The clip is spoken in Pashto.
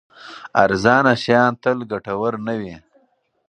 ارزانه شیان تل ګټور نه وي.